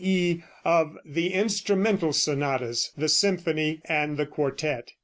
e._, of the instrumental sonatas the symphony and the quartette.